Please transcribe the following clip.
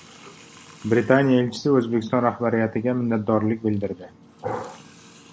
Britaniya elchisi O‘zbekiston rahbariyatiga minnatdorlik bildirdi